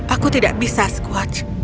aku tidak bisa squatch